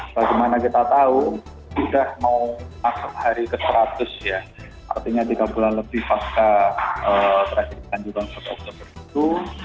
bagaimana kita tahu sudah mau masuk hari ke seratus ya artinya tiga bulan lebih pasca tragedi kanjuran satu oktober itu